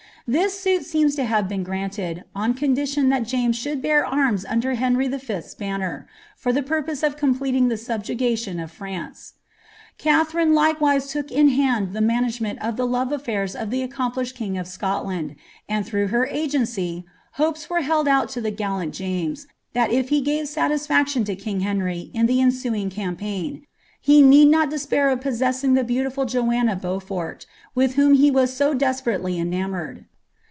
This suit seems to have been granted, on condition that James should bear arms under Henry V.'*8 banner, for the purpose of completing the subjugation of France.' Katherine likewise took in hand the management of the love afEiirs of the accomplished king of Scotland ; and, through her agency, hopes were held out to the gallant James, that if he gave satisfaction to king Henry in the ensuing campaign, he need not despair of possessing the beautiful Joanna Beaufort, with whom he was so desperately ena moured.